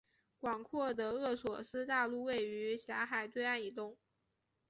广阔的厄索斯大陆位于狭海对岸以东。